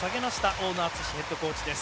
大野篤史ヘッドコーチです。